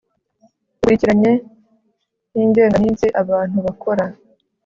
ikurikiranye y’ingengaminsi abantu bakora